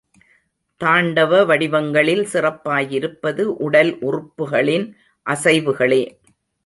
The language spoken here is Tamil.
தாண்டவ வடிவங்களில் சிறப்பாயிருப்பது உடல் உறுப்புகளின் அசைவுகளே.